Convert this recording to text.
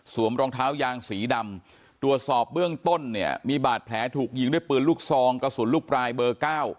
รองเท้ายางสีดำตรวจสอบเบื้องต้นเนี่ยมีบาดแผลถูกยิงด้วยปืนลูกซองกระสุนลูกปลายเบอร์เก้า